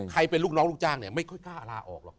เป็นลูกน้องลูกจ้างเนี่ยไม่ค่อยกล้าลาออกหรอก